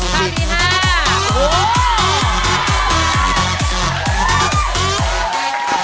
หัวเใส่น่าท้อง